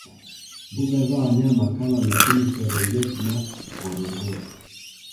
Mbuga za wanyama kama mikumi serengeti na ngorongoro